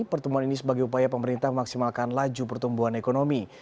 pertemuan ini sebagai upaya pemerintah memaksimalkan laju pertumbuhan ekonomi